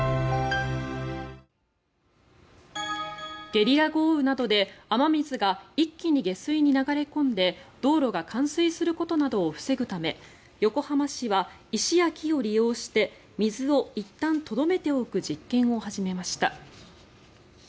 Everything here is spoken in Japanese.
ゲリラ豪雨などで雨水が一気に下水に流れ込んで道路が冠水することなどを防ぐため横浜市は石や木を利用して水をいったんとどめておく実験を始めました。